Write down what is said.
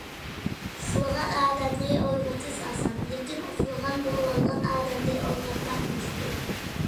ئۇخلىغان ئادەمنى ئويغىتىش ئاسان، لېكىن ئۇخلىغان بولۇۋالغان ئادەمنى ئويغاتماق مۈشكۈل.